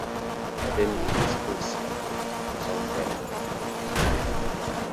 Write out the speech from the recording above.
Suddenly his pace slackened and song died on his lips.